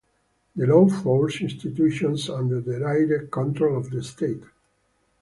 The law forced institutions under the direct control of the state.